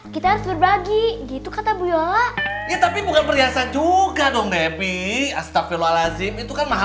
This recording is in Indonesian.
stres urusan bu yola nih teh